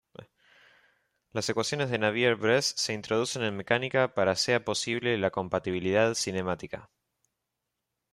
Las ecuaciones de Navier-Bresse se introducen en mecánica para sea posible la "compatibilidad cinemática".